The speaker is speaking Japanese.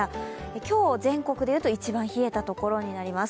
今日全国でいうと、一番冷えた所になります。